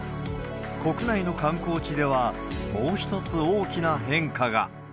国内の観光地では、もう一つ大きな変化が。